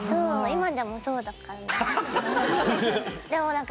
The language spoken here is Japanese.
今でもそうだから。